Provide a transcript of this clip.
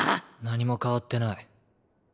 何も変わってない。